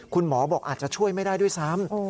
คุณหมอบอกอาจจะช่วยไม่ได้ด้วยซ้ำ